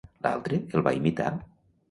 L'altre el va imitar?